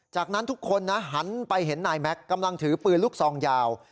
จากนั้นทุกคนนะหันไปเห็นนายแม็กซ์กำลังถือปืนลูกซองยาว